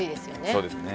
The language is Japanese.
そうですね。